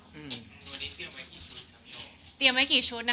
ตัวนี้เตรียมไว้กี่ชุดครับโย